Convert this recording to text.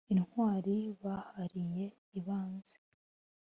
intwari bahariye ibanze